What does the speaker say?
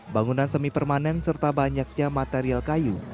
bangunan semi permanen serta banyaknya material kayu